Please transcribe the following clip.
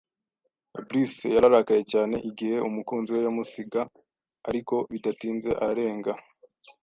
Bruce yararakaye cyane igihe umukunzi we yamusiga, ariko bidatinze ararenga.